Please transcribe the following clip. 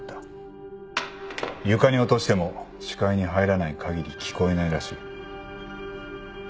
床に落としても視界に入らないかぎり聞こえないらしい。